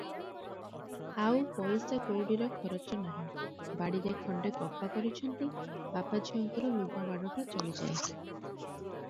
ଆଉ ପଇସା କଉଡିର ଖରଚ ନାହିଁ ।ବାଡିରେ ଖଣ୍ଡେ କପା କରିଛନ୍ତି, ବାପ ଝିଅଙ୍କର ଲୁଗାବାଡ଼ଟା ଚଳିଯାଏ ।